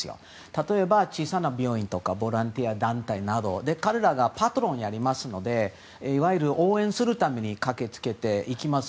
例えば、小さな美容院とかボランティア団体など彼らがパトロンやりますのでいわゆる応援するために駆けつけていきます。